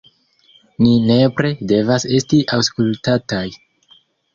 Ni nepre devas esti aŭskultataj.